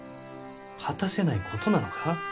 果たせないことなのか？